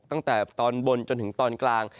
ตั้งแต่ตอนบนจนถึงตอนกลาง